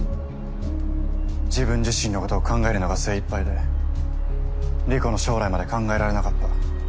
自分自身のことを考えるのが精いっぱいで莉子の将来まで考えられなかった。